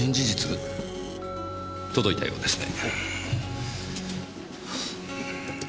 届いたようですね。